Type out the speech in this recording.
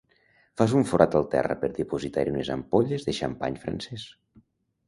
Fas un forat al terra per dipositar-hi unes ampolles de xampany francès.